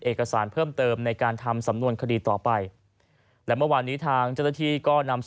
เอกสารเพิ่มเติมในการทำสำนวนคดีต่อไปและเมื่อวานนี้ทางเจ้าหน้าที่ก็นำ